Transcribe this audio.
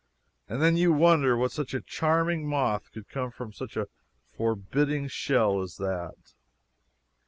And then you wonder that such a charming moth could come from such a forbidding shell as that.